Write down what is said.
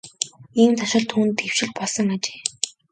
Ийм заншил түүнд хэвшил болсон ажээ.